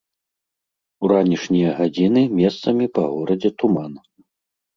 У ранішнія гадзіны месцамі па горадзе туман.